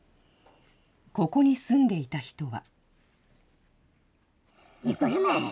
ここに住んでいた人は。